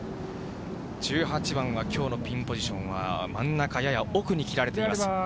１８番はきょうのピンポジションは、真ん中やや奥に切られています。